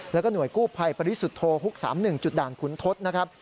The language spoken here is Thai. แล้วก็หน่วยกู้ภัยปริสุทธโธฮุก๓๑จุดด่านขุนทศนะครับ